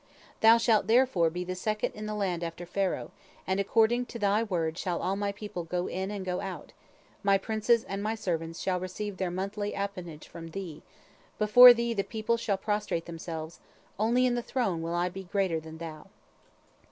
Thou shalt therefore be the second in the land after Pharaoh, and according unto thy word shall all my people go in and go out; my princes and my servants shall receive their monthly appanage from thee; before thee the people shall prostrate themselves, only in the throne will I be greater than thou."